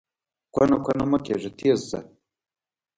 کونه کونه مه کېږه، تېز ځه!